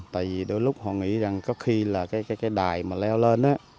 tại vì đôi lúc họ nghĩ rằng có khi là cái đài mà leo lên